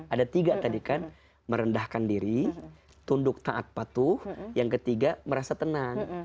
ada tiga tadi kan merendahkan diri tunduk taat patuh yang ketiga merasa tenang